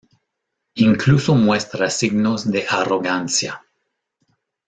Incluso muestra signos de arrogancia.